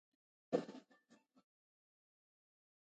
ازادي راډیو د اقلیم لپاره د چارواکو دریځ خپور کړی.